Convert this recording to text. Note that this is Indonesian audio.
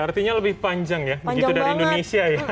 artinya lebih panjang ya begitu dari indonesia ya